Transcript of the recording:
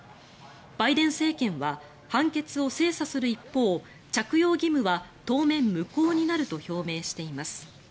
バイデン政権は判決を精査する一方着用義務は当面、無効になると表明しています。